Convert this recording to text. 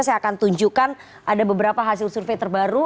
saya akan tunjukkan ada beberapa hasil survei terbaru